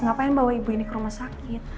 ngapain bawa ibu ini ke rumah sakit